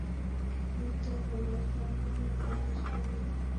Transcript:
kimurto kole mamwaee lembech kogeny